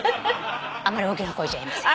あんまり大きな声じゃ言えません。